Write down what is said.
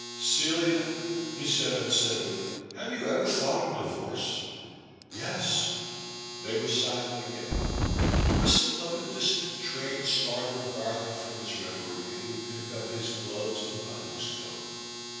Celia, he said unsteadily, have you ever thought of divorce ?*^Yes. \ The Boy s Sister. 261 They were silent again. The whistle of a dis tant train startled Garland from his reverie and he picked up his gloves and buttoned his coat.